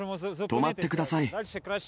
止まってください。